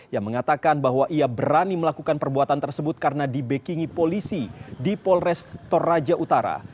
yang mengatakan bahwa ia berani melakukan perbuatan tersebut karena dibekingi polisi di polres toraja utara